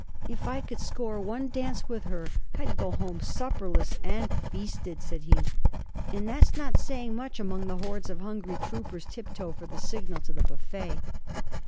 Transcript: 'If I could score one dance with her, I'd go home supperless and feasted,' said he. 'And that's not saying much among the hordes of hungry troopers tip toe for the signal to the buffet.